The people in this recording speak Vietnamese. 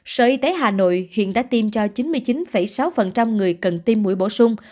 sở y tế hà nội hiện đã tiêm cho chín mươi chín sáu người cần tiêm mũi bổ sung